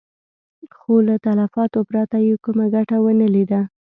خو له تلفاتو پرته يې کومه ګټه ونه ليده.